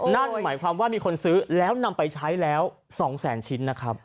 นั่นหมายความว่ามีคนซื้อแล้วนำไปใช้แล้ว๒แสนชิ้นนะครับ